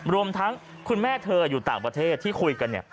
รวมทั้งคุณแม่เธออยู่ต่างประเทศที่คุยกันเนี่ย